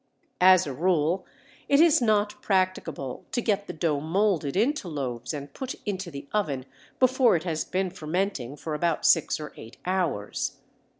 As a rule it is not practicable to get the dough moulded into loaves and put into the oven before it has been fermenting for about six or eight hours.